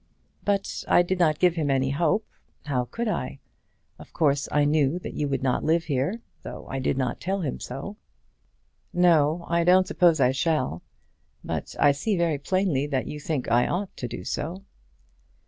"But I did not give him any hope. How could I? Of course I knew that you would not live here, though I did not tell him so." "No; I don't suppose I shall. But I see very plainly that you think I ought to do so."